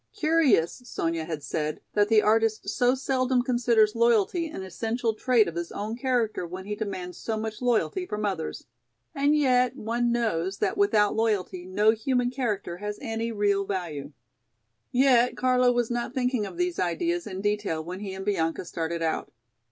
Curious, Sonya had said, that the artist so seldom considers loyalty an essential trait of his own character when he demands so much loyalty from others! And yet one knows that without loyalty no human character has any real value! Yet Carlo was not thinking of these ideas in detail when he and Bianca started out.